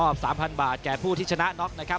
๓๐๐บาทแก่ผู้ที่ชนะน็อกนะครับ